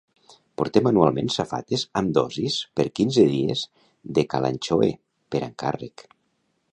Portem anualment safates amb dosis per quinze dies de Kalanchoe, per encàrrec.